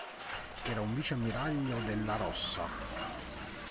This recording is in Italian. Era un vice ammiraglio della Rossa.